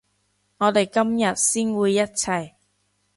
我哋今日先會一齊